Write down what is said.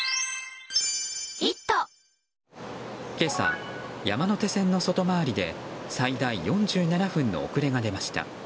今朝、山手線の外回りで最大４７分の遅れが出ました。